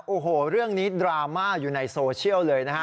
โอ้โหเรื่องนี้ดราม่าอยู่ในโซเชียลเลยนะฮะ